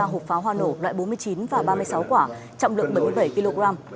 ba hộp pháo hoa nổ loại bốn mươi chín và ba mươi sáu quả trọng lượng bảy mươi bảy kg